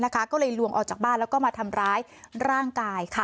ก็เลยลวงออกจากบ้านแล้วก็มาทำร้ายร่างกาย